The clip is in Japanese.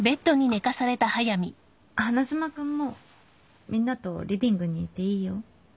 あっ花妻君もみんなとリビングにいていいよ。